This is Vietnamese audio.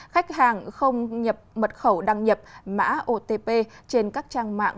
khách hàng không nhập mật khẩu đăng nhập mã otp trên các trang mạng